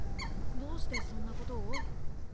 どうしてそんなことを？